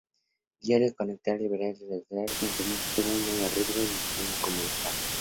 Diario de carácter liberal y línea editorial independiente, tuvo un arraigo eminentemente comarcal.